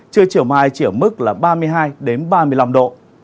chưa chiều mai chỉ ở mức là ba mươi hai đến ba mươi năm độ